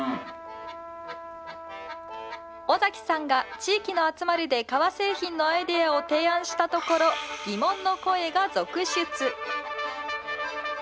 尾崎さんが地域の集まりで革製品のアイデアを提案したところ、疑問の声が続出。